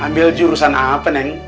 ambil jurusan apa neng